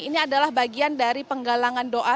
ini adalah bagian dari penggalangan doa